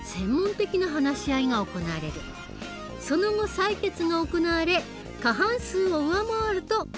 その後採決が行われ過半数を上回ると可決される。